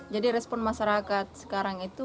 jadi respon masyarakat sekarang itu